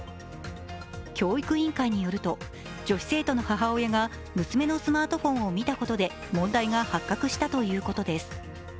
教育委員会によると、女子生徒の母親が娘のスマートフォンを見たことで問題が発覚したということです。